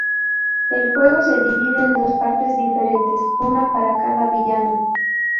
El juego se divide en dos partes diferentes, una para cada villano.